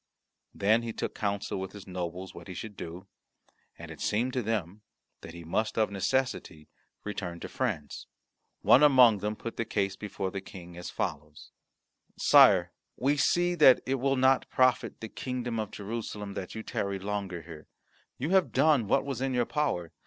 Then he took counsel with his nobles what he should do, and it seemed to them that he must of necessity return to France. One among them put the case before the King as follows: "Sire, we see that it will not profit the kingdom of Jerusalem that you tarry longer here. You have done what was in your power.